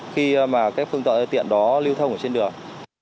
khi mà các phương tiện đó lưu thông trên đường